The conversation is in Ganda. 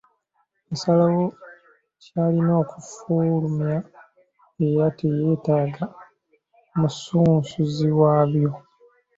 Y'asalawo ky'alina okufulumya era teyeetaaga musunsuzi waabyo.